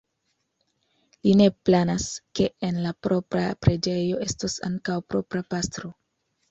Li ne planas, ke en la propra preĝejo estos ankaŭ propra pastro.